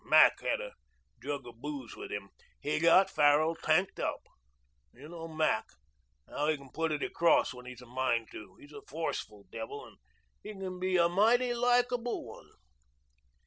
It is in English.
Mac had a jug of booze with him. He got Farrell tanked up. You know Mac how he can put it across when he's a mind to. He's a forceful devil, and he can be a mighty likable one."